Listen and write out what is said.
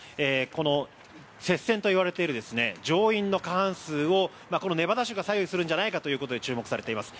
この接戦といわれている上院の過半数をネバダ州が左右するんじゃないかということで注目されています。